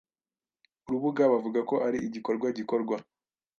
Urubuga bavuga ko ari igikorwa gikorwa